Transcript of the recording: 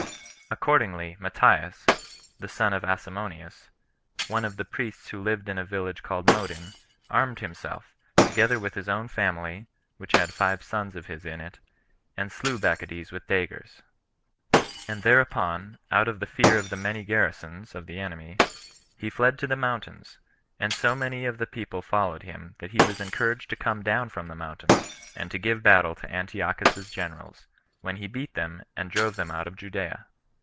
Accordingly Matthias, the son of Asamoneus, one of the priests who lived in a village called Modin, armed himself, together with his own family, which had five sons of his in it, and slew Bacchides with daggers; and thereupon, out of the fear of the many garrisons [of the enemy], he fled to the mountains; and so many of the people followed him, that he was encouraged to come down from the mountains, and to give battle to Antiochus's generals, when he beat them, and drove them out of Judea.